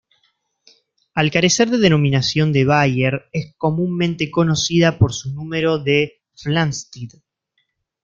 Al carecer de denominación de Bayer, es comúnmente conocida por su número de Flamsteed.